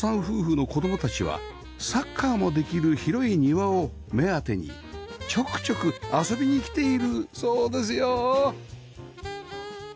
夫婦の子供たちはサッカーもできる広い庭を目当てにちょくちょく遊びに来ているそうですよ